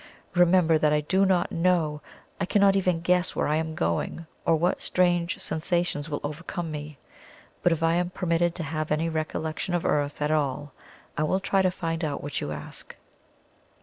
Remember that I do not know, I cannot even guess where I am going, or what strange sensations will overcome me; but if I am permitted to have any recollection of earth at all, I will try to find out what you ask."